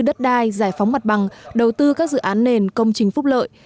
đất đai giải phóng mặt bằng đầu tư các dự án nền công trình phúc lợi